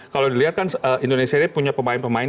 kalau dilihat kan indonesia ini punya pemain pemain